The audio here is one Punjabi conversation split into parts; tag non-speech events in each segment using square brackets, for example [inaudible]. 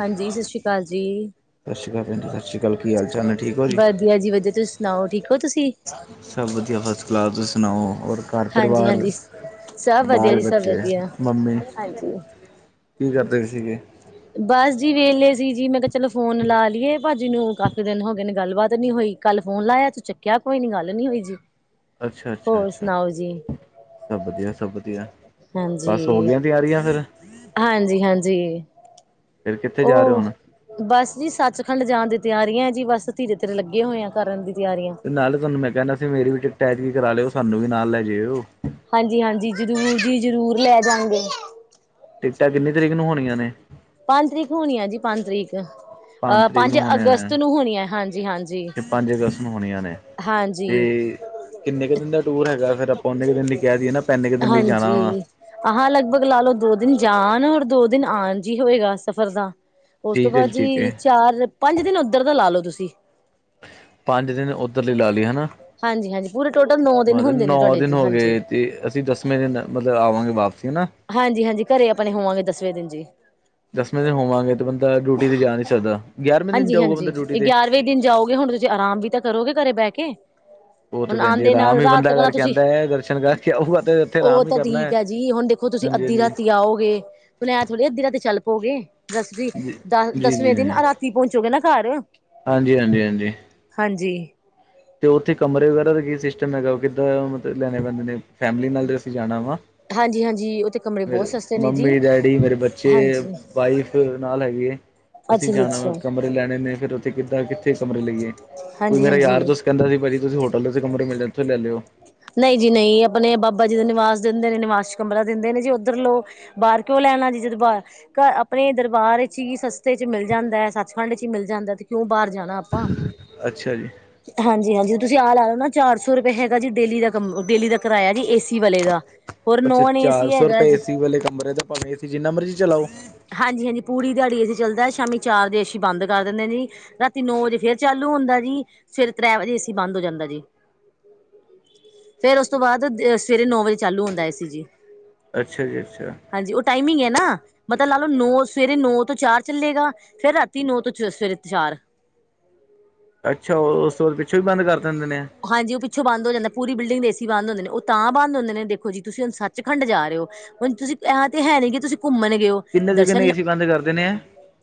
ਹਾਂਜੀ, ਸਸਰੀਕਾਲ ਜੀ। ਸ਼ਸ਼ੀਕਾਲ ਜੀ ਸਸੀਕਾਲ ਕੀ ਹਾਲ-ਚਾਲ ਨੇ ਠੀਕ ਹੋ ਜੀ। ਵਧੀਆ ਜੀ ਵਧੀਆ। ਤੁਸੀਂ ਸੁਣਾਓ ਠੀਕ ਹੋ ਤੁਸੀਂ? ਸਭ ਵਧੀਆ ਫਸਟ ਕਲਾਸ। ਤੁਸੀਂ ਸੁਣਾਓ? ਔਰ ਘਰ ਹਾਂਜੀ ਪਰਿਵਾਰ ਹਾਂਜੀ ਸਭ ਵਧੀਆ ਜੀ ਸਭ ਬਾਲ-ਬੱਚੇ, ਵਧੀਆ ਮੰਮੀ ਹਾਂਜੀ ਕੀ ਕਰਦੇ ਸੀਗੇ? ਬਸ ਜੀ ਵੇਹਲੇ ਸੀ ਜੀ। ਮੈਂ ਕਿਹਾ ਚਲੋ ਫੋਨ ਲਾ ਲਈਏ ਭਾਜੀ ਨੂੰ ਕਾ- ਕਾਫੀ ਦਿਨ ਹੋ ਗਏ ਨੇ ਗੱਲਬਾਤ ਨੀ ਹੋਈ। ਕੱਲ ਫੋਨ ਲਾਇਆ ਤੂੰ ਚੱਕਿਆ ਕੋਈ ਨੀ। ਗੱਲ ਨੀ ਹੋਈ ਜੀ। ਅੱਛਾ ਅੱਛਾ ਹੋਰ ਅੱਛਾ। ਸੁਣਾਓ ਜੀ ਸਭ ਵਧੀਆ ਸਭ ਵਧੀਆ। ਬਸ ਹਾਂਜੀ ਹੋਗੀਆ ਤਿਆਰੀਆਂ ਫਿਰ। ਹਾਂਜੀ ਹਾਂਜੀ। ਫਿਰ ਕਿੱਥੇ ਜਾ ਰਹੇ ਹੋ ਉਹ ਹੁਣ ਤੇ ਬਸ ਜੀ ਸੱਚਖੰਡ ਜਾਣ ਦੀ ਤਿਆਰੀ ਆ ਜੀ। ਬਸ ਧੀਰੇ-ਧੀਰੇ ਲੱਗੇ ਹੋਏ ਆ ਕਰਨ ਦੀ ਤਿਆਰੀਆਂ। ਤੇ ਨਾਲੇ ਤਾਹਨੂੰ ਮੈਂ ਕਹਿੰਦਾ ਸੀ, ਮੇਰੀ ਵੀ ਟਿਕਟ ਐਦੀ ਹੀ ਕਰਾ ਲਿਓ ਸਾਨੂੰ ਵੀ ਨਾਲ ਲੈ ਜਿਓ। ਹਾਂਜੀ- ਹਾਂਜੀ। ਜ਼ਰੂਰ ਜੀ ਜ਼ਰੂਰ ਲੈ ਜਾ ਗੇ। ਟਿਕਟਾਂ ਕਿੰਨੀ ਤਰੀਕ ਨੂੰ ਹੋਣੀਆਂ ਨੇ? ਪੰਜ ਤਰੀਕ ਹੋਣੀ ਆ ਜੀ ਪੰਜ ਤਰੀਕ ਅਹ ਤਰੀਕ ਪੰਜ ਨੂੰ ਹੋਣੀਆਂ ਅਗਸਤ ਨੇ ਨੂੰ ਹੋਣੀਆਂ ਹਾਂਜੀ- ਹਾਂਜੀ। ਤੇ ਪੰਜ ਅਗਸਤ ਨੂੰ ਹੋਣੀਆਂ ਨੇ ਹਾਂਜੀ। ਤੇ ਕਿੰਨੇ ਕੁ ਦਿਨ ਦਾ ਟੂਰ ਹੈਗਾ। ਫਿਰ ਆਪਾਂ ਨੇ ਕੁ ਦਿਨ ਲਈ ਕਹਿ ਦਈਏ ਨਾ ਆਪਾ ਇਨੇ ਕੁ ਦਿਨ ਲਈ ਜਾਣਾ ਵਾ। ਆਹ ਲਗਭਗ ਲਾ ਲਓ ਦੋ ਦਿਨ ਜਾਣ ਔਰ ਦੋ ਦਿਨ ਆਉਣ ਜੀ ਹੋਏਗਾ ਸਫ਼ਰ ਦਾ ਉਸ ਤੋਂ ਠੀਕ ਹੈ ਬਾਅਦ ਠੀਕ ਜੀ ਹੈ ਚਾਰ ਪੰਜ ਦਿਨ ਉੱਧਰ ਦਾ ਲਾ ਲੋੋ ਤੁਸੀਂ। ਪੰਜ ਦਿਨ ਉੱਧਰ ਲਈ ਲਾ ਲਈ ਹਨਾ। ਹਾਂਜੀ ਹਾਂਜੀ ਪੂਰੇ ਟੋਟਲ ਨੌ ਦਿਨ ਮਤਲਬ ਹੁੰਦੇ ਨੇ ਨੌ ਤੁਹਾਡੇ ਦਿਨ ਜੀ ਹੋ ਹਾਂਜੀ ਗਏ ਤੇ ਅਸੀਂ ਦੱਸ ਵੇ ਦਿਨ ਮਤਲਬ ਆਵਾਂਗੇ ਵਾਪਸੀ ਹੈਨਾ ਹਾਂਜੀ -ਹਾਂਜੀ ਘਰੇ ਆਪਣੇ ਹੋਵਾਂਗੇ ਦਸਵੇਂ ਦਿਨ ਜੀ। ਦਸਵੇਂ ਦਿਨ ਹੋਵਾਂਗੇ ਤੇ ਬੰਦਾ ਡਿਓਟੀ ਤੇ ਜਾ ਨਹੀਂ ਸਕਦਾ ਗਿਆਰਵੇਂ ਦਿਨ ਹਾਂਜੀ ਜਾਊਗਾ ਬੰਦਾ ਹਾਂਜੀ ਡਿਊਟੀ ਤੇ। ਗਿਆਰਵੇਂ ਦਿਨ ਜਾਓਗੇ ਹੁਣ ਤੁਸੀਂ ਆਰਾਮ ਵੀ ਤਾਂ ਕਰੋਗੇ ਘਰੇ ਬਹਿ ਕੇ। [inaudible] ਉਹ ਤੇ ਹੁਣ ਭੈਣ ਜੀ ਆਉਂਦੇ ਆਰਾਮ ਨਾਲ ਹੀ ਰਾਤ ਬੰਦਾ ਤੱਕ ਨਾ ਕਰਕੇ ਤੁਸੀਂ ਆਦਾ ਏ ਦਰਸ਼ਨ ਕਰਕੇ ਆਊਗਾ ਤੇ ਇੱਥੇ ਆਰਾਮ ਹੀ ਕਰਨਾ ਏ। ਓ ਤੁਸੀਂ ਅੱਧੀ ਰਾਤੀ ਆਓਗੇ ਫਿਰ ਆਏ ਥੋੜ੍ਹੀ ਆ ਅੱਧੀ ਰਾਤੀ ਚੱਲ ਪੋ ਗਏ ਦਸਵੀ ਦਸਵੇਂ ਦਿਨ ਜੀ-ਜੀ-ਜੀ, ਰਾਤੀ ਕੀ ਪਹੁੰਚੋਗੇ ਨਾ ਘਰ ਹਾਂਜੀ-ਹਾਂਜੀ-ਹਾਂਜੀ। [inaudible] ਹਾਂਜੀ। ਤੇ ਉੱਥੇ ਕਮਰੇ ਵਗੈਰਾ ਦਾ ਕੀ ਸਿਸਟਮ ਹੈਗਾ ਕਿੱਦਾਂ ਮਤਲਬ ਲੈਣੇ ਪੈਂਦੇ ਨੇ ਫੈਮਲੀ ਨਾਲ ਅਸੀਂ ਜਾਣਾ ਵਾ। ਹਾਂਜੀ ਹਾਂਜੀ ਉਹ ਤੇ ਕਮਰੇ ਬਹੁਤ ਸਸਤੇ [inaudible] ਨੇ ਜੀ ਮੰਮੀ, ਡੈਡੀ, ਮੇਰੇ ਬੱਚੇ, ਹਾਂਜੀ ਵਾਈਫ। ਤੇ ਨਾਲ ਹੈਗੇ ਅਸੀਂ ਅੱਛਾ ਜੀ ਜਾਣਾ ਵਾ ਅੱਛਾ ਕਮਰੇ ਲੈਣੇ ਨੇ ਫਿਰ ਉੱਥੇ ਕਿੱਦਾਂ ਕਿ ਉੱਥੇ ਕਮਰੇ ਲਈਏ ਕੋਈ ਹਾਂਜੀ ਮੇਰਾ ਯਾਰ ਹਾਂਜੀ ਦੋਸਤ ਕਹਿੰਦਾ ਵੀ ਭਾਜੀ ਤੁਸੀਂ ਹੋਟਲ ਦੇ ਵਿੱਚ ਕਮਰੇ ਮਿਲਦੇ ਆ ਉੱਥੋ ਲੈ ਲਿਓ। ਨਹੀਂ ਜੀ ਨਹੀਂ ਆਪਣੇ ਬਾਬਾ ਜੀ ਦਾ ਨਿਵਾਸ ਦਿੰਦੇ ਨੇ ਨਿਵਾਸ 'ਚ ਕਮਰਾ ਦਿੰਦੇ ਨੇ ਜੀ ਉੱਧਰ ਲੋਕ ਬਾਹਰ ਕਿਉਂ ਲੈਣਾ ਜੀ ਜਦੋਂ ਬਾਰ ਘ ਆਪਣੇ ਦਰਬਾਰ 'ਚ ਹੀ ਸਸਤੇ 'ਚ ਮਿਲ ਜਾਂਦਾ, ਸੱਚਖੰਡ 'ਚ ਹੀ ਮਿਲ ਜਾਂਦਾ ਹੈ ਤੇ ਕਿਉਂ ਬਾਹਰ ਜਾਣਾ ਆਪਾ ਅੱਛਾ ਜੀ [inaudible] ਹਾਂਜੀ -ਹਾਂਜੀ ਤੁਸੀਂ ਆ ਲਾਉ ਨਾ ਚਾਰ ਸੌ ਰੁਪਈਏ ਹੈਗਾ ਜੀ ਡੇਲੀ ਦਾ ਕੰਮ ਡੇਲੀ ਦਾ ਕਿਰਾਇਆ ਜੀ ਏ ਸੀ ਵਾਲੇ ਦਾ। ਹੋਰ ਅੱਛਾ ਨੋਨ ਚਾਰ ਏਸੀ ਸੌ ਹੈਗਾ ਰੁਪਏ ਏ ਜੀ। ਸੀ ਵਾਲੇ ਕਮਰੇ ਦਾ ਭਾਵੇਂ ਏ ਸੀ ਜਿੰਨਾ ਮਰਜ਼ੀ ਚਲਾਓ। ਹਾਂਜੀ -ਹਾਂਜੀ ਪੂਰੀ ਦਿਹਾੜੀ ਏ ਸੀ ਚੱਲਦਾ ਸ਼ਾਮੀ ਚਾਰ ਵਜੇ ਏ ਸੀ ਬੰਦ ਕਰ ਦਿੰਦੇ ਆ ਜੀ। ਰਾਤੀ ਨੌ ਵਜੇ ਫੇਰ ਚਾਲੂ ਹੁੰਦਾ ਜੀ ਸਵੇਰੇ ਤ੍ਰੈ ਵਜੇ ਏਸੀ ਬੰਦ ਹੋ ਜਾਂਦਾ ਜੀ। ਫਿਰ ਉਸ ਤੋਂ ਬਾਅਦ ਦ ਸਵੇਰੇ ਨੌ ਵਜੇ ਚਾਲੂ ਹੁੰਦਾ ਏ ਸੀ ਜੀ। ਅੱਛਾ ਜੀ ਅੱਛਾ। ਹਾਂਜੀ ਉਹ ਟਾਈਮਿੰਗ ਐ ਨਾ ਮਤਲਬ ਲਾ ਲਓ ਨੌ ਸਵੇਰੇ ਨੌ ਤੋਂ ਚਾਰ ਚੱਲੇਗਾ ਫਿਰ ਰਾਤੀ ਨੌ ਤੋਂ 'ਚ ਸਵੇਰੇ ਚਾਰ ਅੱਛਾ ਉਸ ਤੋਂ ਬਾਅਦ ਪਿੱਛੋਂ ਵੀ ਬੰਦ ਕਰ ਦਿੰਦੇ ਨੇ। ਹਾਂਜੀ ਉਹ ਪਿੱਛੋਂ ਬੰਦ ਹੋ ਜਾਂਦਾ ਪੂਰੀ ਬਿਲਡਿੰਗ ਦੇ ਏ ਸੀ ਬੰਦ ਹੁੰਦੇ ਨੇ ਉਹ ਤਾਂ ਬੰਦ ਹੁੰਦੇ ਨੇ ਦੇਖੋ ਜੀ ਤੁਸੀਂ ਹੁਣ ਸੱਚਖੰਡ ਜਾ ਰਹੇ ਹੋ। ਹੁਣ ਤੁਸੀਂ ਆ ਤੇ ਹੈਨੀ ਕਿ ਤੁਸੀਂ ਘੁੰਮਣ ਗਏ ਹੋ। ਕਿੰਨੇ ਦੇ ਕਿੰਨੇ ਦਰਸ਼ਨ ਏ ਸੀ ਬੰਦ ਕਰ ਦਿੰਨੇ ਆ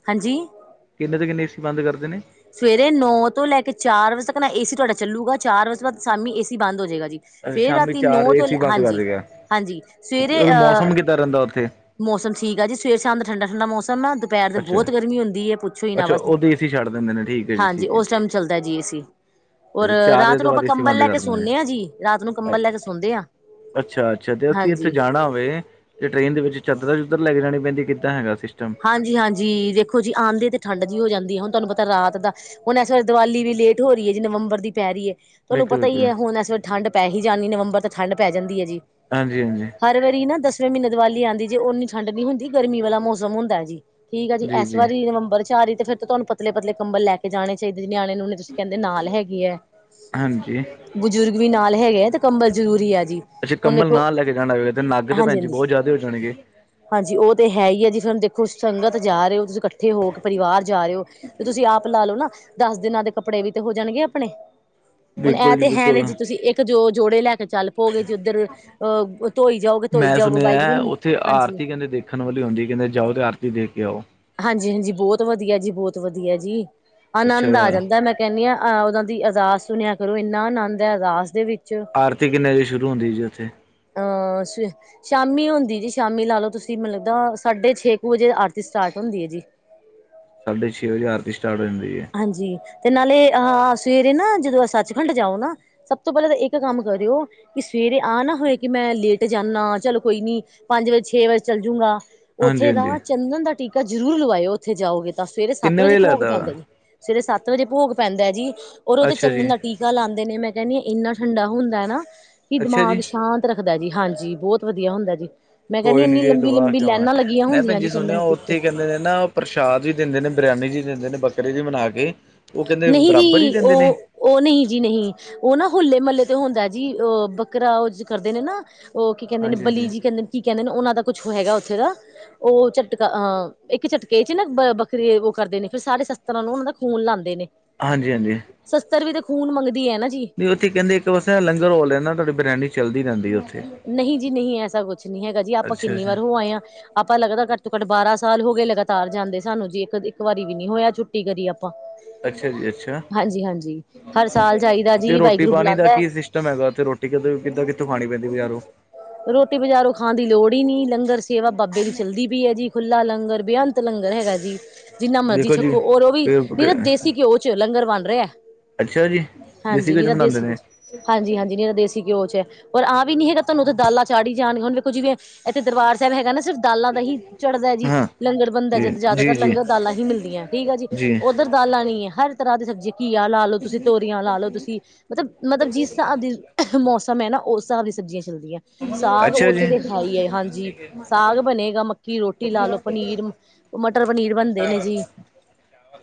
ਹਾਂਜੀ [inaudible] ਕਿੰਨੇ ਦੇ ਕਿੰਨੇ ਏ ਸੀ ਬੰਦ ਕਰਦੇ ਨੇ ਸਵੇਰੇ ਨੌ ਤੋਂ ਲੈ ਕੇ ਚਾਰ ਵਜੇ ਤੱਕ ਨਾ ਏ ਸੀ ਤੁਹਾਡਾ ਚੱਲੂਗਾ ਚਾਰ ਵਜੇ ਤੋ ਬਾਅਦ ਸ਼ਾਮੀ ਏ ਸੀ ਬੰਦ ਹੋ ਜਾਏਗਾ ਜੀ। ਅੱਛਾ ਫਿਰ ਸ਼ਾਮੀ ਰਾਤੀ ਚਾਰ ਨੌ ਤੋਂ ਏਸੀ ਬੰਦ ਕਰ ਹਾਂਜੀ ਦੇਗਾ -ਹਾਂਜੀ ਠੀਕ ਸਵੇਰੇ ਉਦੋਂ ਅਹ ਮੌਸਮ ਕਿੱਦਾਂ ਰਹਿੰਦਾ ਉੱਥੇ ਮੌਸਮ ਠੀਕ ਆ ਜੀ ਸਵੇਰ, ਸ਼ਾਮ ਦਾ ਠੰਡਾ- ਠੰਡਾ ਮੌਸਮ ਆ ਦੁਪਹਿਰ ਦੇ ਅੱਛਾ ਬਹੁਤ ਗਰਮੀ ਹੁੰਦੀ ਏ ਪੁੱਛੋ ਹੀ ਨਾ ਅੱਛਾ ਬਸ ਉਹਦੇ ਏਸੀ ਛੱਡ ਦਿੰਦੇ ਨੇ ਠੀਕ ਹੈ ਜੀ ਹਾਂਜੀ ਠੀਕ ਹੈ ਉਸ ਟਾਈਮ ਚੱਲਦਾ ਜੀ ਏ ਸੀ। ਔਰ ਚਾਰ ਵਜੇ ਰਾਤ ਤੋਂ ਨੂੰ ਆਪਾਂ ਬਾਅਦ ਏਸੀ ਕੰਬਲ ਬੰਦ ਲੈ ਕੇ ਕਰ ਦਿੰਦੇ ਸਾਉਨੇ ਆ ਜੀ ਰਾਤ ਨੂੰ ਕੰਬਲ ਲੈ ਕੇ ਸੌਦੇ ਆ। ਅੱਛਾ-ਅੱਛਾ ਤੇ ਅਸੀਂ ਉੱਥੇ ਜਾਣਾ ਹੋਵੇ ਤੇ ਟਰੇੇਨ ਦੇ ਵਿੱਚ ਚੱਦਰਾ-ਚੂਧਰ ਲੈ ਕੇ ਜਾਣੀ ਪੈਂਦੀ ਕਿੱਦਾਂ ਹੈਗਾ ਸਿਸਟਮ ਹਾਂਜੀ-ਹਾਂਜੀ ਦੇਖੋ ਜੀ, ਆਂਦੇ ਤੇ ਠੰਡ ਜੇਹੀ ਹੋ ਜਾਂਦੀ ਆ ਹੁਣ ਤੁਹਾਨੂੰ ਪਤਾ ਰਾਤ ਦਾ ਹੁਣ ਐਸ ਵੇਲੇ ਦੀਵਾਲੀ ਵੀ ਲੇਟ ਹੋ ਰਹੀ ਹੈ ਜੀ ਨਵੰਬਰ ਦੀ ਪੈ ਰਹੀ ਐ। ਤੁਹਾਨੂੰ ਬਿਲਕੁਲ ਪਤਾ ਹੀ ਬਿਲਕੁਲ ਹੈ ਹੁਣ ਇਸ ਵੇਲੇ ਠੰਡ ਪੈ ਹੀ ਜਾਣੀਏ ਨਵੰਬਰ ਤੋਂ ਠੰਡ ਪੈ ਜਾਂਦੀ ਐ ਜੀ। ਹਾਂਜੀ-ਹਾਂਜੀ। ਹਰ ਵਾਰੀ ਨਾ ਦਸਵੇਂ ਮਹੀਨੇ ਦੀਵਾਲੀ ਆਉਦੀ ਜੇ ਓਨੀ ਠੰਡ ਨਹੀਂ ਹੁੰਦੀ ਗਰਮੀ ਵਾਲਾ ਮੌਸਮ ਹੁੰਦਾ ਜੀ। ਠੀਕ ਆ ਜੀ, ਇਸ ਵਾਰੀ ਨਵੰਬਰ ਚ ਆ ਰਹੀ ਤੇ ਫਿਰ ਤਾਂ ਤੁਹਾਨੂੰ ਪਤਲੇ-ਪਤਲੇ ਕੰਬਲ ਲੈ ਕੇ ਜਾਣੇ ਚਾਹੀਦੇ ਨੇ ਨਿਆਣੇ -ਨੀਓਨੇ ਤੁਸੀਂ ਕਹਿੰਦੇ ਨਾਲ ਹੈਗੇ ਐ, ਹਾਂਜੀ ਬਜ਼ੁਰਗ ਵੀ ਨਾਲ ਹੈਗੇ ਐ ਤੇ ਕੰਬਲ ਜਰੂਰੀ ਆ ਜੀ। ਅੱਛਾ, ਹੁਣ ਕੰਬਲ ਵੇਖੋ ਨਾਲ ਲੈ ਜਾਣਾ ਹੋਵੇਗਾ ਤੇ ਨੱਗ ਤੇ ਭੈਣ ਜੀ ਹਾਂਜੀ-ਹਾਂਜੀ ਬਹੁਤ ਜ਼ਿਆਦੇ ਹੋ ਜਾਣਗੇ। ਹਾਂਜੀ, ਉਹ ਤੇ ਹੈ ਈ ਜੀ ਫਿਰ ਹੁਣ ਦੇਖੋ ਸੰਗਤ ਜਾ ਰਹੇ ਹੋ ਤੁਸੀਂ ਇਕੱਠੇ ਹੋ ਕੇ ਪਰਿਵਾਰ ਜਾ ਰਹੇ ਹੋ ਤੁਸੀਂ ਆਪ ਲਾ ਲਓ ਨਾ ਦੱਸ ਦਿਨਾਂ ਦੇ ਕੱਪੜੇ ਵੀ ਤੇ ਹੋ ਜਾਣਗੇ ਆਪਣੇ, ਹੁਣ ਇਹ ਬਿਲਕੁਲ ਤੇ ਹੈ ਬਿਲਕੁਲ ਨ ਜੀ ਤੁਸੀਂ ਇੱਕ ਜੋ ਜੋੜੇ ਲੈ ਕੇ ਚੱਲ ਪੋਓਗੇ ਜੇ ਉੱਧਰ, ਅਹ ਧੋਈ ਜਾਓਗੇ, ਧੋਈ ਮੈਂ ਜਾਓਗੇ ਵਾਹਿਗੁਰੂ ਸੁਣਿਆ ਨੂੰ ਉੱਥੇ ਹਾਂਜੀ। ਆਰਤੀ ਕਹਿੰਦੇ ਦੇਖਣ ਵਾਲੀ ਹੁੰਦੀ ਕਹਿੰਦੇ ਜਾਓ ਅਤੇ ਆਰਤੀ ਦੇਖ ਕੇ ਆਓ। ਹਾਂਜੀ-ਹਾਂਜੀ ਬਹੁਤ ਵਧੀਆ ਜੀ, ਬਹੁਤ ਵਧੀਆ ਜੀ ਅੱਛਾ ਆਨੰਦ ਆ ਜਾਂਦਾ ਮੈਂ ਕਹਿਣੀ ਆ ਆਹ ਉਹਨਾਂ ਦੀ ਅਰਦਾਸ ਸੁਣਿਆ ਕਰੋ, ਇੰਨਾ ਆਨੰਦ ਹੈ ਅਰਦਾਸ ਦੇ ਵਿੱਚ ਆਰਤੀ ਕਿੰਨੇ ਵਜੇ ਸ਼ੁਰੂ ਹੁੰਦੀ ਹੈ ਜੀ ਉੱਥੇ। ਅ ਸਵੇ ਸ਼ਾਮੀ ਹੁੰਦੀ ਜੀ, ਸ਼ਾਮੀ ਲਾ ਲਓ, ਤੁਸੀਂ ਮਤਲਬ ਸਾਢੇ ਛੇ ਕ ਵਜੇ ਆਰਤੀ ਸਟਾਰਟ ਹੁੰਦੀ ਐ ਜੀ। ਸਾਢੇ ਛੇ ਵਜੇ ਆਰਤੀ ਸਟਾਰਟ ਜਾਂਦੀ ਐ। ਹਾਂਜੀ, ਤੇ ਨਾਲੇ, ਅਹ ਸਵੇਰੇ ਨਾ ਜਦੋਂ ਸੱਚਖੰਡ ਜਾਓ ਨਾ ਸਭ ਤੋਂ ਪਹਿਲਾਂ ਤਾਂ ਇੱਕ ਕੰਮ ਕਰਿਓ ਕਿ ਸਵੇਰੇ ਆ ਨਾ ਹੋਏ ਕਿ ਮੈਂ ਲੇਟ ਜਾਂਨਾਂ, ਚਲੋ ਕੋਈ ਨੀ ਪੰਜ ਵਜੇ, ਛੇ ਵਜੇ ਚਲ ਜੂ ਗਾ। ਹਾਂਜੀ ਓਥੇ ਦਾ ਹਾਂਜੀ ਚੰਦਨ ਦਾ ਟੀਕਾ ਜ਼ਰੂਰ ਲਵਾਇਓ ਉੱਥੇ ਜਾਓਗੇ ਤਾਂ, ਸਵੇਰੇ ਸੱਤ ਕਿੰਨੇ ਵਜੇ ਭੋਗ ਲੱਗਦਾ ਵਾ ਪੈਂਦਾ ਜੀ। ਸਵੇਰੇ ਸੱਤ ਵਜੇ ਭੋਗ ਪੈਂਦਾ ਜੀ, ਔਰ ਉਹ ਤੇ ਅੱਛਾ ਚੰਦਨ ਜੀ ਦਾ ਟੀ ਕਾ ਲਾਂਦੇ ਨੇ, ਮੈਂ ਕਹਿੰਨੀ ਆਂ ਇੰਨਾ ਠੰਡਾ ਹੁੰਦਾ ਨਾ ਕਿ ਅੱਛਾ ਦਿਮਾਗ ਜੀ ਸ਼ਾਂਤ ਰੱਖਦਾ ਜੀ, ਹਾਂਜੀ, ਬਹੁਤ ਵਧੀਆ ਹੁੰਦਾ ਜੀ। ਮੈਂ ਕਹਿੰਦੀ ਕੋਈ ਨੀ ਇੰਨੀ ਜੀ ਲੰਬੀ ਲਵਾ ਲੰਬੀ ਕੇ ਆਵਾਂ, ਲਾਈਨਾਂ ਲੱਗੀਆਂ ਮੈਂ ਭੈਣ ਹੁੰਦੀਆਂ ਜੀ ਚੰਦਨ ਸੁਣਿਆ ਦੇ ਟੀਕੇ ਓਥੇ ਕਹਿੰਦੇ ਨੇ ਨਾ ਪ੍ਰਸ਼ਾਦ ਵੀ ਦਿੰਦੇ ਨੇ, ਬਰਿਆਨੀ ਜੀਦਿੰਦੇ ਨੇ ਬੱਕਰੇ ਦੀ ਬਣਾ ਕੇ ਉਹ ਕਹਿੰਦੇ ਨਹੀਂ ਬਰਾਬਰ ਈ ਜੀ ਦਿੰਦੇ ਨੇ? ਉਹ ਉਹ ਨਹੀਂ ਜੀ ਨਹੀਂ, ਉਹ ਹੌਲੇ-ਮੱਲੇ ਤੇ ਹੁੰਦਾ ਜੀ, ਅ ਬੱਕਰਾ ਅ ਜ ਕਰਦੇ ਨੇ ਨਾ। ਉਹ ਕੀ ਕਹਿੰਦੇ ਨੇ ਹਾਂਜੀ ਬਲੀ ਹਾਂਜੀ ਜੀ ਕਹਿੰਦੇ ਨੇ ਕੀ ਕਹਿੰਦੇ ਨੇ ਉਹਨਾਂ ਦਾ ਕੁੱਛ ਹੈਗਾ ਉੱਥੇ ਦਾ ਉਹ ਝਟਕਾ ਅਹ ਇੱਕ ਝਟਕੇ 'ਚ' ਨਾ ਵੱਖਰੀ ਉਹ ਕਰਦੇ ਨੇ ਫਿਰ ਸਾਰੇ ਸ਼ਸਤਰਾਂ ਨੂੰ ਉਹਨਾ ਦਾ ਖੂਨ ਲਾਂਦੇ' ' [unintelligible] ਹਾਂਜੀ-ਹਾਂਜੀ। ਸ਼ਸਤਰ ਵੀ ਤੇ ਖੂਨ ਮੰਗਦੀ ਐ ਨਾ ਜੀ। ਉੱਥੇ ਕਹਿੰਦੇ ਇੱਕ ਵਸ ਲੰਗਰ ਓ ਲੈਂਦਾ ਤੁਹਾਡੀ ਬਰਿਆਨੀ ਚੱਲਦੀ ਰਹਿੰਦੀ ਆ ਓਥੇ। ਨਹੀਂ ਜੀ ਨਹੀਂ, ਐਸਾ ਕੁੱਛ ਨਹੀਂ ਹੈਗਾ ਜੀ, ਆਪਾਂ ਅੱਛਾ ਕਿੰਨੀ ਅੱਛਾ ਵਾਰੋਂ ਹੋ ਆਏ ਆ। ਆਪਾਂ ਲੱਗਦਾ ਘੱਟ ਤੋਂ ਘੱਟ ਬਾਰਾਂ ਸਾਲ ਹੋ ਗਏ ਲਗਾਤਾਰ ਜਾਂਦੇ ਸਾਨੂੰ ਜੀ। ਇੱਕ, ਇੱਕ ਵਾਰੀ ਵੀ ਨੀ ਹੋਇਆ ਛੁੱਟੀ ਕਰੀ ਆਪਾਂ। ਅੱਛਾ ਜੀ ਅੱਛਾ। ਹਾਂਜੀ ਹਾਂਜੀ ਹਰ ਸਾਲ ਜਾਈਦਾ ਤੇ ਜੀ ਵਾਹਿਗੁਰੂ ਰੋਟੀ-ਪਾਣੀ ਦਾ ਬੁਲਾਉਂਦਾ ਕੀ ਹੈ। ਸਿਸਟਮ ਹੈਗਾ ਓਥੇ ਰੋਟੀ ਠੀਕਾ, ਕਿੱਦਾਂ, ਕਿਥੋਂ ਖਾਣੀਂ ਪੈਂਦੀ ਬਾਜਾਰੋਂ? ਰੋਟੀ ਬਾਜ਼ਾਰੋਂ ਖਾਣ ਦੀ ਲੋੜ ਈ ਨੀ, ਲੰਗਰ ਸੇਵਾ ਬਾਬੇ ਦੀ ਚੱਲਦੀ ਪਈ ਐ ਜੀ, ਖੁੱਲ੍ਹਾ ਲੰਗਰ, ਬੇਅੰ ਤ ਲੰਗਰ ਹੈਗਾ ਜੀ। ਜਿੰਨਾ ਮਰਜ਼ੀ ਦੇਖੋ ਜੀ ਛੱਕੋ ਔਰ ਉਹ ਵੀ ਨਹੀਂ ਨਾ ਫਿਰ ਦੇਸੀ ਘਿਓ ਚ ਲੰਗਰ ਬਣ ਰਿਹਾ। ਅੱਛਾ ਜੀ ਦੇਸੀ ਹਾਂਜੀ, ਘਿਓ ਚ ਨਿਰਾ ਬਣਾਉਂਦੇ ਦੇਸੀ ਕੁਝ। ਨੇ ਹਾਂਜੀ-ਹਾਂਜੀ, ਨਿਰਾ ਦੇਸੀ ਘਿਓ 'ਚ' ਪਰ ਆਹ ਵੀ ਨੀ ਹੈਗਾ ਤੁਹਾਨੂੰ ਉੱਥੇ ਦਾਲਾਂ ਚਾੜੀ ਜਾਣ। ਹੁਣ ਦੇਖੋ ਜਿਵੇਂ ਤੇ ਦਰਬਾਰ ਸਾਬ ਹੈਗਾ ਨਾ ਸਿਰਫ ਦਾਲਾਂ ਦਾ ਹੀ, ਚੜ੍ਹਦਾ ਜੀ। ਹਾਂ ਲੰਗਰ ਬਣਦਾ, ਜੀ ਜਦ ਜੀ ਜ਼ਿਆਦਾਤਰ ਜੀ ਲੰਗਰ ਦਾਲਾਂ ਹੀ ਮਿਲਦੀਆਂ, ਠੀਕ ਆ ਜੀ। ਉੱਧਰ ਦਾਲਾਂ ਨੀ ਹਰ ਤਰ੍ਹਾਂ ਦੀ ਸਬਜ਼ੀ ਘੀਆ ਲਾ ਲਓ ਤੁਸੀਂ, ਤੋਰੀਆਂ ਲਾ ਲਓ ਤੁਸੀਂ ਮਤਲਬ, ਮਤਲਬ ਜਿਸ ਹਿਸਾਬ ਦੀ ਮੌਸਮ ਹੈ ਨਾ, ਉਸ ਹਿਸਾਬ ਦੀਆਂ ਸਬਜ਼ੀਆਂ ਚੱਲਦੀਆਂ। ਸਾਗ ਅੱਛਾ ਉੱਥੇ ਜੀ ਤੇ ਹੈ ਹੀ ਐ। ਹਾਂਜੀ, ਸਾਗ ਬਣੇਗਾ, ਮੱਕੀ ਰੋਟੀ ਲਾ ਲਓ, ਪਨੀਰ। ਉਹ ਮਟਰ ਪਨੀਰ ਬਣਦੇ ਨੇ ਜੀ।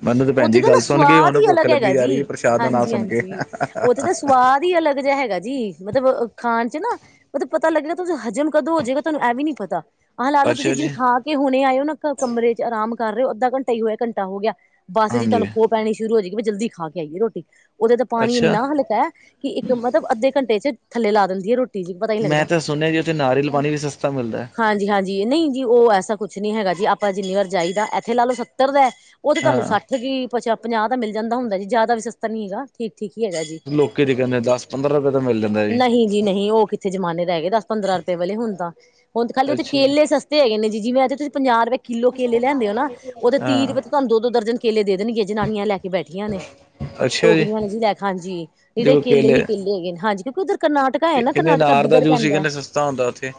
ਮੈਨੂੰ ਤੇ ਭੈਣ ਉੱਥੇ ਜੀ ਤਾਂ ਨਾ ਗੱਲ ਸੁਣ ਕੇ ਸੁਆਦ ਹੁਣ ਈ ਭੁੱਖ ਅਲੱਗ ਲੱਗੀ ਹੈਗਾ ਜਾ ਜੀ, ਰਹੀ ਹੈ ਪ੍ਰਸ਼ਾਦ ਦਾ ਨਾਂ ਹਾਂਜੀ ਸੁਣ ਕੇ। -ਹਾਂਜੀ। ਉੱਥੇ ਤਾਂ ਸੁਆ ਵੀ ਅਲੱਗ ਜਿਹਾ ਹੈਗਾ ਜੀ, ਮਤਲਬ ਖਾਣ 'ਚ ਨਾ ਮਤਲਬ ਪਤਾ ਲੱਗਣਾ ਤੁ ਹਜ਼ਮ ਕਦੋਂ ਹੋ ਜਾਏਗਾ, ਤੁਹਾਨੂੰ ਇਹ ਵੀ ਨੀ ਪਤਾ, ਹਾਂ ਲਾ ਲਓ ਅੱਛਾ ਤੁਸੀਂ ਜੀ, ਜਿਵੇਂ ਖਾ ਕਿ ਹੁਣੇ ਆਏ ਓ ਨਾ, ਕਮਰੇ ਚ ਆਰਾਮ ਕਰ ਰਹੇ ਓ ਅੱਧਾ ਘੰਟਾ ਹੀ ਹੋਇਆ, ਘੰਟਾ ਹੋ ਗਿਆ, ਬੱਸ 'ਚ ਹਾਂਜੀ ਤੁਹਾਨੂੰ ਖੋ ਪੈਣੀ ਸ਼ੁਰੂ ਹੋ ਜਾਏਗੀ, ਵੀ ਜਲਦੀ ਖਾ ਕੇ ਆਈਏ ਰੋਟੀ, ਉਹਦਾ ਤਾਂ ਪਾਣੀ ਅੱਛਾ। ਇੰਨਾ ਹਲਕਾ। ਕਿ ਇੱਕ ਮਤਲਬ ਅੱਧੇ ਘੰਟੇ 'ਚ ਥੱਲੇ ਲਾ ਦਿੰਦੀ ਐ ਰੋਟੀ। ਜੀ ਪਤਾ ਹੀ ਨੀ ਲੱਗਦਾ। ਮੈਂ ਤਾਂ ਸੁਣਿਆ ਜੀ, ਉੱਥੇ ਨਾਰੀਅਲ ਪਾਣੀ ਵੀ ਸਸਤਾ ਮਿਲਦਾ। ਹਾਂਜੀ-ਹਾਂਜੀ ਨਹੀਂ ਜੀ, ਉਹ ਐਸਾ ਕੁੱਛ ਨੀ ਹੈਗਾ ਜੀ ਆਪਾਂ ਜਿੰਨੀ ਵਾਰ ਜਾਈਦਾ ਇੱਥੇ ਲਾ ਲਓ ਸੱਤਰ ਦਾ। ਉਹ ਤਾਂ ਤੁਹਾਨੂੰ ਹਾਂ, ਸੱਠ ਵੀ ਪਛਾ -ਪੰਜਾਹ ਦਾ ਮਿਲ ਜਾਂਦਾ ਹੁੰਦਾ, ਜੀ ਜ਼ਿਆਦਾ ਵੀ ਸਸਤਾ ਨਹੀਂ ਹੈਗਾ, ਠੀਕ -ਠੀਕ ਈ ਹੈਗਾ ਜੀ। ਲੋਕੀਂ ਤੇ ਕਹਿੰਦੇ ਦਸ -ਪੰਦਰਾਂ ਰੁਪਏ ਦਾ ਮਿਲਦਾ। ਨਹੀਂ ਜੀ ਨਹੀਂ, ਉਹ ਕਿੱਥੇ ਜਮਾਨੇ ਦਾ ਹੈਗੇ ਦਸ ਪੰਦਰਾਂ ਰੁਪਏ ਵਾਲੇ ਹੁਣ ਤਾਂ, ਹੁਣ ਖਾਲੀ ਓਥੇ ਅੱਛਾ ਜੀ, ਕੇਲੇ ਸਸ ਤੇ ਹੈਗੇ ਨੇ ਜੀ। ਜਿਵੇਂ ਅੱਜ ਤੁਸੀਂ ਪੰਜਾਹ ਰੁਪਏ ਕਿੱਲੋ ਕੇਲੇ ਲੈਂਦੇ ਹੋ ਨਾ, ਓਥੇ ਤੀਹ ਹਾਂ ਦੇ ਤੁਹਾਨੂੰ ਦੋ -ਦੋ ਦਰਜਨ ਕੇਲੇ ਦੇਣਗੇ, ਜਨਾਨੀਆਂ ਲੈ ਕੇ ਬੈਠੀਆਂ ਨੇ। ਅੱਛਾ ਜੀ। ਟੋਕਰੀਆਂ ਵਾਲੇ ਜ ਲੈਕ, ਹਾਂਜੀ। ਜਿਹੜੇ ਕੇਲੇ ਹੀ ਕੇਲੇ ਹੈਗੇ ਨੇ, ਹਾਂਜੀ, ਕਿਉਂਕਿ ਉੱਧਰ ਕਰਨਾਟ ਪਤਾ ਹੈ ਤੇ ਨਾ ਕਹਿੰਦੇ ਕਰਨਾਟਕਾ ਅਨਾਰ ਦਾ ਬਿੱਧਰ ਜੂਸ ਹੀ ਪੈਂਦਾ, ਕਹਿੰਦੇ ਸਸਤਾ ਹੁੰਦਾ ਉੱਥੇ।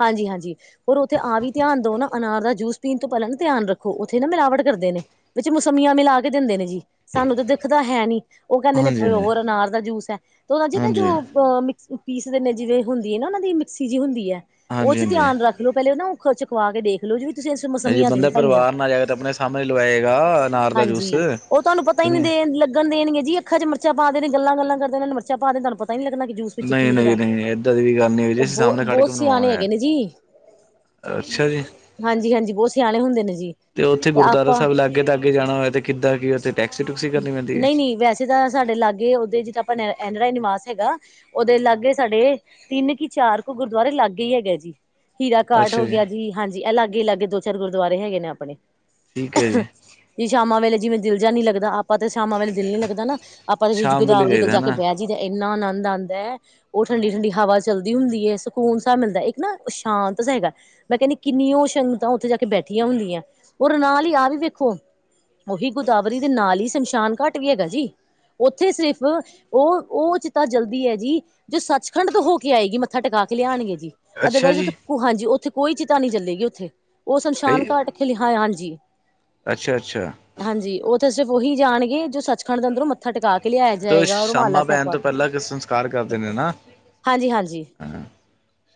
ਹਾਂਜੀ- ਹਾਂਜੀ। ਹੋਰ ਉੱਥੇ ਆ ਵੀ ਧਿਆਨ ਦਿਓ ਨਾ, ਅਨਾਰ ਦਾ ਜੂਸ ਪੀਣ ਤੋਂ ਪਹਿਲਾਂ ਵੀ ਧਿਆਨ ਰੱਖੋ, ਉੱਥੇ ਨਾ ਮਿਲਾਵਟ ਕਰਦੇ ਨੇ। ਵਿੱਚ ਮੋਸੰਮੀਆਂ ਮਿਲਾ ਕੇ ਦਿੰਦੇ ਨੇ ਜੀ। ਸਾਨੂੰ ਤਾਂ ਦਿਖਦਾ ਹੈਨੀ, ਉਹ ਕਹਿੰਦੇ ਨੇ ਹਾਂਜੀ ਹਾਂਜੀ, ਪਿਓਰ ਅਨਾਰ ਦਾ ਜੂਸ ਆ ਤੇ ਉਹਦਾ ਜੀ ਨਾ ਜੋ ਹਾਂਜੀ। ਅਹ ਮਿਕ ਪੀਸਦੇ ਨੇ ਜਿਵੇਂ ਹੁੰਦੀ ਨਾ ਉਹਨਾਂ ਦੀ ਮਿਕਸੀ ਜਿਹੀ ਹੁੰਦੀ, ਉਹ ਹਾਂਜੀ 'ਚ ਹਾਂਜੀ, ਧਿਆਨ ਰੱ ਪਹਿਲੋ-ਪਹਿਲੇ ਨਾ ਉਹ ਖਵਾ ਕੇ ਦੇਖਲਓ, ਜਿਵੇਂ ਤੁਸੀਂ ਇਸ 'ਚ ਜੇ ਮਸਮੀਆਂ ਤੇ ਨੀ ਬੰਦਾ ਪਾਈਆਂ, ਪਰਿਵਾਰ ਨਾਲ ਜਾਏਗਾ ਤਾਂ ਆਪਣੇ ਸਾਹਮਣੇ ਲਵਾਏਗਾ ਅਨਾਰ ਦਾ ਹਾਂਜੀ ਜੂਸ। ਉਹ ਤੁਹਾਨੂੰ ਪਤਾ ਨੀ ਨਹੀਂ ਦੇ ਲੱਗਣ ਦੇਣਗੇ ਜੀ, ਅੱਖਾਂ 'ਚ ਮਿਰਚਾਂ ਪਾ ਦੇ ਨੇ ਗੱਲਾਂ-ਗੱਲਾਂ ਕਰਦੇ, ਉਹਨਾਂ ਮਿਰਚਾਂ ਪਾ ਦੇਣ ਤੁਹਾਨੂੰ ਪਤ ਨਹੀਂ-ਨਹੀਂ ਇਦਾ ਦੀ ਕੋਈ ਗੱਲ ਨੀ ਜੀ, ਉਹ ਅਸੀਂ ਬਹੁ ਸਾਹਮਣੇ ਖੜ ਕੇ ਬਹੁਤ ਸਿਆਣੇ ਬਣਵਾਵਾਂਗੇ ਹੈ। ਹੈਗੇ ਨੇ ਜੀ ਅੱਛਾ ਜੀ, ਹਾਂਜੀ ਹਾਂਜੀ ਬਹੁਤ ਸਿਆਣੇ ਹੁੰਦੇ ਨੇ ਜੀ ਤੇ ਉੱਥੇ ਗੁਰਦੁਆਰਾ ਆਪਾਂ ਸਾਹਿਬ ਲਾਗੇ ਤੱਕ ਅੱਗੇ ਜਾਣਾ ਹੋਇਆ ਤੇ ਕਿੱਦਾਂ ਕੀ ਉਥੇ? ਨਹੀਂ-ਨਹੀਂ ਵੈਸੇ ਤਾਂ ਸਾਡੇ ਲਾਗੇ ਓਦੇ ਜਿੱਦਾਂ ਆਪਾਂ ਐਨਰਾਏ ਨਿਵਾਸ ਹੈਗਾ। ਉਹਦੇ ਲਾਗੇ ਸਾਡੇ, ਤਿੰਨ ਕੁ ਚਾਰ ਗੁਰਦੁਆਰੇ ਲਾਗੇ ਹੀ ਹੈਗੇ ਜੀ। ਹੀਰਾ ਘਾਟ ਹੋ ਗਿਆ ਜੀ, ਹਾਂਜੀ, ਲਾਗੇ-ਲਾਗੇ ਦੋ ਚਾਰ ਗੁਰਦੁਆਰੇ ਹੈਗੇ ਨੇ ਆਪਣੇ। ਠੀਕ ਹੈ ਜੀ ਜੀ ਸ਼ਾਮੇ ਵੇਲੇ ਜਿਵੇਂ ਦਿਲ ਜਾਹਾ ਨੀ ਲਗਦਾ, ਅਪ ਆਪਾਂ ਤੇ ਸ਼ਾਮਾਂ ਵੇਲੇ ਦਿਲ ਨੀ ਲੱਗਦਾ ਨਾ, ਆਪਾਂ ਸ਼ਾਮ ਵੇਲੇ ਗੋਦਾਵਰੀ ਕੋਲ ਜਾਈਦਾ ਜਾ ਕੇ ਹਨਾ ਬਹਿ ਜਾਏਦਾ, ਇੰਨਾ ਆਨੰਦ ਆਦਾ। ਉਹ ਠੰਡੀ-ਠੰਡੀ ਹਵਾ ਚੱਲਦੀ ਹੁੰਦੀ ਏ, ਸਕੂਨ ਸਾ ਮਿਲਦਾ, ਇੱਕ ਨਾ ਸ਼ਾਂਤ ਹੈਗਾ। ਮੈਂ ਕਹਿੰਦੀ ਕਿੰਨੀਆਂ ਉਹ ਛੰਗਤਾਂ ਉੱਥੇ ਜਾ ਕੇ ਬੈਠੀਆਂ ਹੁੰਦੀਆਂ, ਉਹ ਨਾਲ ਹੀ ਆਹ ਵੀ ਵੇਖੋ। ਉਹੀ ਗੋਦਾਵਰੀ ਦੇ ਨਾਲ ਈ ਸ਼ਮਸ਼ਾਨ ਘਾਟ ਵੀ ਹੈਗਾ ਜੀ। ਉੱਥੇ ਸਿਰਫ ਉਹ, ਉਹ ਚਿਤਾ ਜਲਦੀ ਆ ਜੀ। ਦੇ ਸੱਚ-ਖੰਡ ਤੋਂ ਹੋ ਕੇ ਆਏਗੀ, ਮੱਥਾ ਟਿਕਾ ਕੇ ਲਿਆਉਣਗੇ ਜੀ। ਅੱਛਾ ਅਦਰਵਾਈਜ਼ ਉਥੇ ਜੀ ਹਾਂਜੀ ਉੱਥੇ ਕੋਈ ਚਿਤਾ ਨਹੀਂ ਚੱਲੇਗੀ ਉੱਥੇ ਉਹ ਸ਼ਮਸ਼ਾਨ ਘਾਟ ਵਿੱਚ ਲਿਖਿਆ, ਹਾਂਜੀ। ਅੱਛਾ-ਅੱਛਾ। ਹਾਂਜੀ, ਉਥੇ ਸਿਰਫ ਉਹੀ ਜਾਣਗੇ ਜੋ ਸੱਚ-ਖੰਡ ਦੇ ਅੰਦਰੋਂ, ਮੱਥਾ ਟਕਾ ਕੇ ਲਿਆਇਆ ਤੇ ਜਾਏਗਾ, ਰੁਮਾਲਾ ਸ਼ਾਮਾਂ ਸਾਹਿਬ ਪੈਣ ਪਾ ਤੋਂ ਕੇ, ਪਹਿਲਾਂ ਸੰਸਕਾਰ ਕਰਦੇ ਨੇ ਨਾ ਹਾਂਜੀ-ਹਾਂਜੀ।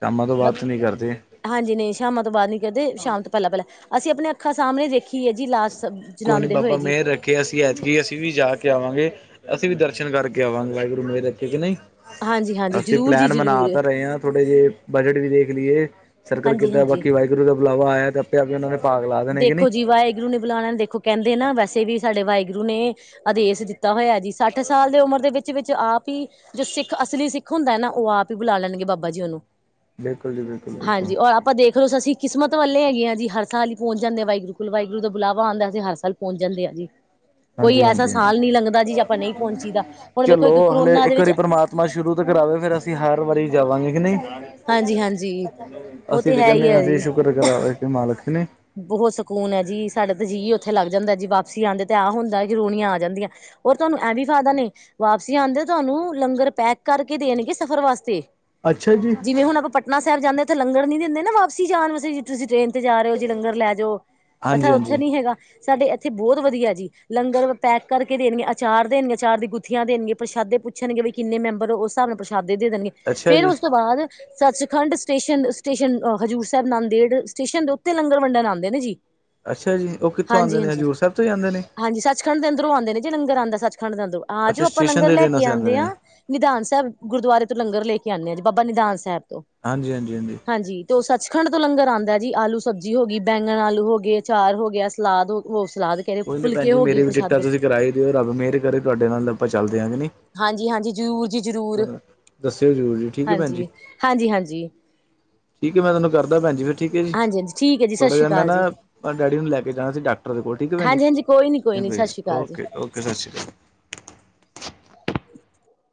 ਸ਼ਾਮਾਂ ਤੋਂ ਮ ਬਾਅਦ ਤੇ ਨੀ ਕਰਦੇ। ਹਾਂਜੀ, ਨਹੀਂ ਸ਼ਾਮਾਂ ਤੋਂ ਬਾਅਦ ਨੀ ਕਰਦੇ ਸ਼ਾਮ ਤੋਂ ਪਹਿਲਾਂ ਪਹਿਲਾਂ ਅਸੀਂ ਆਪਣੇ ਅੱਖਾਂ ਸਾਹਮਣੇ ਦੇੇਖੀ ਆ ਜੀ ਲਾਸ਼। ਕੋਈ ਨੀ ਜਲਾਂਦੇ ਬਾਬਾ ਹੋਏ ਜੀ। ਮੇਹਰ ਰੱ ਖੇ ਕਿ ਅਸੀਂ ਐਤਕੀ ਅਸੀਂ ਵੀ ਜਾ ਕੇ ਆਵਾਂਗੇ, ਅਸੀਂ ਵੀ ਦਰਸ਼ਨ ਕਰਕੇ ਆਵਾਂਗੇ ਵਾਹਿਗੁਰੂ ਮੇਹਰ ਰੱਖੀ ਕੇ ਨਹੀਂ। ਹਾਂਜੀ-ਹਾਂਜੀ ਅਸੀਂ ਜ਼ਰੂਰ ਜੀ ਪਲੈਨ ਬਣਾ ਜ਼ਰੂਰ ਤਾਂ ਰਹੇ ਆ ਥੋੜੇ ਜੇ। ਬਜਟ ਵੀ ਦੇਖ ਲਈਏ ਸਰਕਲ ਕਿੱਦਾ ਹਾਂਜੀ-ਹਾਂਜੀ। ਬਾਕੀ ਵਾਹਿਗੁਰੂ ਦਾ ਬੁਲਾਵਾ ਆਇਆ ਤੇ ਆਪੇ ਆਪ ਉਹ ਨੇ ਭਾਗ ਲਾ ਦੇਣੇ ਕਿ ਨਹੀਂ ਦੇਖੋ ਜੀ ਵਾਹਿਗੁਰੂ ਨੇ ਬੁਲਾਣਾ ਦੇਖੋ ਕਹਿੰਦੇ ਨਾ ਵੈਸੇ ਵੀ ਸਾਡੇ ਵਾਹਿਗੁਰੂ ਨੇ। ਆਦੇਸ਼ ਦਿੱਤਾ ਹੋਇਆ ਜੀ ਸੱਠ ਸਾਲ ਦੀ ਉਮਰ ਦੇ ਵਿੱਚ-ਵਿੱਚ ਆਪ। ਪੀ ਜੋ ਸਿੱਖ ਅਸਲੀ ਸਿੱਖ ਹੁੰਦਾ ਨਾ ਉਹ ਆਪ ਹੀ ਬੁਲਾ ਲੈਣਗੇ ਬਾਬਾ ਜੀ ਉਹਨੂੰ ਬਿਲਕੁਲ ਜੀ, ਬਿਲਕੁਲ-ਬਿਲਕਲ। ਹਾਂਜੀ ਔਰ ਆਪਾਂ ਦੇਖਲੋ ਸਸੀਂ ਕਿਸਮਤ ਵੱਲੇ ਹੈਗੇ ਆ ਜੀ ਹਰ ਸਾਲ ਹੀ ਪਹੁੰਚ ਜਾਂਦੇ ਵਾਹਿਗੁਰੂ ਵਾਹਿਗੁਰੂ ਦਾ ਬੁਲਾਵਾ ਆਦਾ ਅਸੀਂ ਹਰ ਸਾਲ ਪਹੁੰਚ ਜਾਂਦੇ ਆ ਜੀ ਕੋਈ ਹਾਂਜੀ ਐਸਾ ਹਾਂਜੀ ਸਾਲ ਹਾਂਜੀ ਨੀ ਲੰਘਦਾ ਜੀਂਦੇ 'ਚ ਆਪਾਂ ਨਹੀਂ ਪਹੁੰਚੀ ਦਾ ਹੁਣ ਵੇਖੋ ਇੱਕ ਕਰੋਨਾ ਦੇ ਵਿੱਚ। ਮਾਂ ਸ਼ੁਰੂ ਤੋਂ ਕਰਾਵੇ ਫੇਰ ਅਸੀਂ ਹਰ ਵਾਰੀ ਜਾਵਾਂਗੇ ਕਿ ਨਹੀਂ। ਹਾਂਜੀ ਹਾਂਜੀ ਉਹ ਅਸੀਂ ਤੇ ਹੈ ਕਹਿੰਦੇ ਹੀ ਆ ਹੈ ਅਸੀਂ ਜੀ ਸ਼ੁਕਰ ਕਰਾਵੇਂ ਕਿ ਮਾਲਕ ਨਹੀਂ। ਬਹੁਤ ਸਕੂਨ ਆ ਜੀ ਸਾਡੇ ਤਾਂ ਜੀਅ ਇੱਕ ਉੱਥੇ ਲੱਗ ਦਾ ਜੀ ਵਾਪਸੀ ਆਉਂਦੇ ਤੇ ਆਹ ਹੁੰਦਾ ਜਨੂਨੀਆਂ ਆ ਜਾਂਦੀਆਂ। ਔਰ ਤੁਹਾਨੂੰ ਐ ਵੀ ਫਾਇਦਾ ਨੇ ਵਾਪਸੀ ਆਉਂਦੇ ਤੁਹਾਨੂੰ ਲੰਗਰ ਪੈਕ ਕਰਕੇ ਦੇਣਗੇ ਸਫ਼ਰ ਵਾਸਤੇ। ਅੱਛਾ ਜੀ ਜਿਵੇਂ ਆਪਾਂ ਹੁਣ ਪਟਨਾ ਸਾਹਿਬ ਜਾਨੇ ਉਥੇ ਲੰਗਰ ਨੀ ਦਿੰਦੇ ਨਾ ਵਾਪਸੀ ਜਾਣ ਵਸੇ ਜੇ ਤੁਸੀਂ ਟ੍ਰੇਨ ਤੇ ਜਾ ਰਹੇ ਹੋ? ਜੀ ਲੰਗਰ ਲੈ ਜਾਓ ਹਾਂਜੀ ਅੱਛਾ ਉੱਥੇ ਹਾਂਜੀ ਨੀ ਹੈਗਾ। ਸਾਡੇ ਇੱਥੇ ਬਹੁਤ ਵਧੀਆ ਜੀ ਲੰਗਰ ਪੈਕ ਕਰਕੇ ਦੇਣਗੇ, ਅਚਾਰ ਦੇਣਗੇ, ਅਚਾਰ ਦੀ ਗੁੱਥੀਆਂ ਦੇਣਗੇ, ਪ੍ਰਸ਼ਾਦੇ ਪੁੱਛਣਗੇ ਵੀ ਕਿੰਨੇ ਮੈਂਬਰ ਹੋ ਉਸ ਹਿਸਾਬ ਨਾਲ ਪ੍ਰਸ਼ਾਦੇ ਦੇਣਗੇ। ਅੱਛਾ ਫੇਰ ਜੀ ਉਸ ਤੋਂ ਬਾਅਦ ਸੱਚ-ਖੰਡ ਸਟੇਸ਼ਨ-ਸਟੇਸ਼ਨ ਹਜ਼ੂਰ ਸਾਹਿਬ ਨੰਦੇੜ ਸਟੇਸ਼ਨ ਦੇ ਉੱ ਤੇ ਲੰਗਰ ਵੰਡਣ ਆਂਦੇ ਨੇ ਜੀ ਅੱਛਾ ਜੀ, ਉਹ ਕਿੱਥੋਂ ਹਾਂਜੀ ਆਂਦੇ ਨੇ ਹਾਂਜੀ ਹਜ਼ੂਰ ਸਾਹਿਬ ਤੋਂ ਹੀ ਆਦੇ ਨੇ। ਹਾਂਜੀ ਸੱਚ-ਖੰਡ ਦੇ ਅਦਰੋਂ ਆਉਦੇ ਨੇ ਜੇ ਲੰਗਰ ਆਉਂਦਾ ਸੱਚ-ਖੰਡ ਦੇ ਅੰਦਰੋਂ ਆ ਜੋ ਅੱਛਾ ਆਪਾਂ ਸਟੇਸ਼ਨ ਲੰਗਰ ਦੇ ਲੈ ਦਿਨ ਕੇ ਅਸੀਂ ਆਉਂਦੇ ਆਂਦੇ ਆ। ਨੇ ਨਿਧਾਨ ਸਾਹਿਬ ਗੁਰਦੁਆਰੇ ਤੋਂ ਲੰਗਰ ਲੈ ਕੇ ਆਨੇ ਜੀ ਬਾਬਾ ਨਿਧਾਨ ਸਾਹਿਬ ਤੋਂ ਹਾਂਜੀ -ਹਾਂਜੀ- ਹਾਂਜੀ। ਹਾਂਜੀ, ਤੇ ਉਹ ਸੱਚਖੰਡ ਤੋਂ ਲੰਗਰ ਆਂਦਾ ਜੀ ਆਲੂ ਸਬਜ਼ੀ ਹੋ ਗਈ ਬੈਂਗਣ ਆਲੂ ਹੋ ਗਏ, ਆਚਾਰ ਹੋ ਗਿਆ, ਸਲਾਦ ਹੋ ਓਹ ਸਲਾਦ ਕਹਿ ਰਹੇ ਕੋਈ ਨੀ ਫੁਲਕੇ ਭੈਣਜੀ ਹੋ ਮੇਰੀ ਗਏ ਵੀ ਟਿਕਟਾਂ ਪ੍ਰਸ਼ਾਦੇ ਤੁਸੀਂ ਕਰਾਈ ਦਿਓ। ਰੱਬ ਮਿਹਰ ਕਰੇ ਤਾਂ ਤੁਹਾਡੇ ਨਾਲ ਆਪਾਂ ਚੱਲਦੇ ਆ ਕੁ ਨਹੀਂ। ਹਾਂਜੀ- ਹਾਂਜੀ ਜ਼ਰੂਰ ਜੀ ਜ਼ਰੂਰ ਦੱਸਿਓ ਜ਼ਰੂਰ ਜੀ ਠੀਕ ਹੈ ਭੈਣ ਜੀ ਹਾਂਜੀ, ਹਾਂਜੀ- ਹਾਂਜੀ। ਠੀਕ ਏ, ਮੈਂ ਤੁਹਾਨੂੰ ਕਰਦਾ ਭੈਣ ਜੀ ਫਿਰ ਠੀਕ ਏ ਜੀ ਹਾਂਜੀ ਠੀਕ ਹੈ ਜੀ ਸਤਿ ਥੋੜ੍ਹਾ ਸ਼੍ਰੀ ਜਿਹਾ ਮੈਂ ਅਕਾਲ ਜੀ ਨਾ ਡੈਡੀ ਨੂੰ ਲੈ ਕੇ ਜਾਣਾ ਸੀ। ਡਾਕਟਰ ਦੇ ਕੋਲ ਠੀਕ ਏ ਭੈਣ ਜੀ, ਹਾਂਜੀ ਹਾਂਜੀ ਕੋਈ ਨੀ ਕੋਈ ਨੀ ਚੰਗਾ ਸਤਿ ਜੀ ਸ਼੍ਰੀ ਅਕਾਲ ਓਕੇ ਓਕੇ ਸਤਿ ਸ਼੍ਰੀ ਅਕਾਲ।